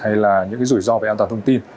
hay là những cái rủi ro về an toàn thông tin